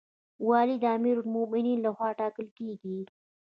والی د امیرالمؤمنین لخوا ټاکل کیږي